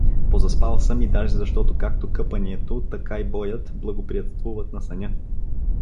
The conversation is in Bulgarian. Позаспал съм и даже, защото както къпанието, така и боят благоприятствуват на съня.